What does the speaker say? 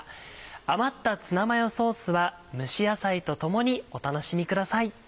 余ったツナマヨソースは蒸し野菜と共にお楽しみください。